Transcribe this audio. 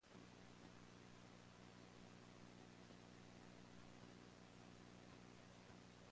A mock-up was manufactured in Japan after Kawasaki won the contract.